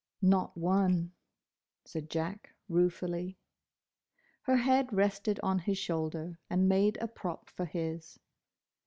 "Not one," said Jack, ruefully. Her head rested on his shoulder, and made a prop for his.